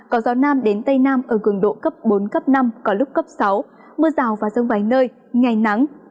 có gió nam đến tây nam ở cường độ cấp bốn cấp năm có lúc cấp sáu mưa rào và rông vài nơi ngày nắng